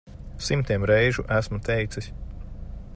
Simtiem reižu esmu teicis.